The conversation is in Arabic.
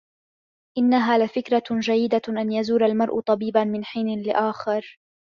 إنّها لفكرة جيّدة أن يزور المرأ طبيبا من حين لآخر.